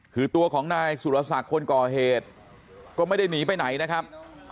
คือตัวของนายสุรศักดิ์คนก่อเหตุก็ไม่ได้หนีไปไหนนะครับ